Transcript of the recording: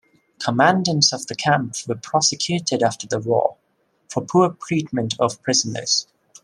Commandants of the camp were prosecuted after the war for poor treatment of prisoners.